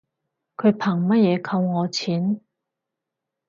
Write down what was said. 佢憑乜嘢扣我錢